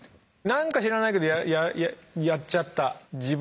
なんか知らないけどやっちゃった。